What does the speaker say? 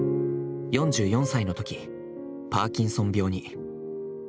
４４歳のとき、パーキンソン病に。